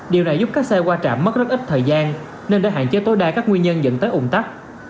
điều này giúp các xe qua trạm mất rất ít thời gian nên đã hạn chế tối đa các nguyên nhân dẫn tới ủng tắc